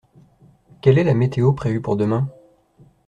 Quelle est la météo prévue pour demain?